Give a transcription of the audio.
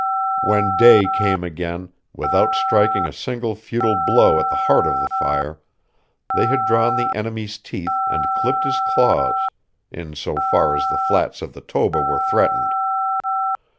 When day came again, without striking a single futile blow at the heart of the fire, they had drawn the enemy's teeth and clipped his claws in so far as the flats of the Toba were threatened.